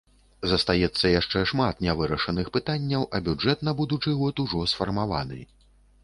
Застаецца яшчэ шмат нявырашаных пытанняў, а бюджэт на будучы год ужо сфармаваны.